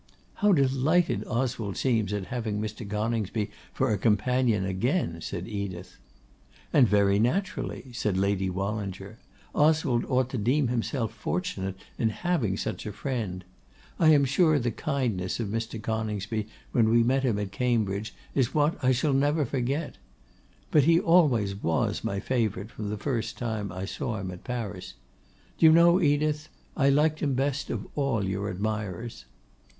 'How delighted Oswald seems at having Mr. Coningsby for a companion again!' said Edith. 'And very naturally,' said Lady Wallinger. 'Oswald ought to deem himself fortunate in having such a friend. I am sure the kindness of Mr. Coningsby when we met him at Cambridge is what I never shall forget. But he always was my favourite from the first time I saw him at Paris. Do you know, Edith, I liked him best of all your admirers.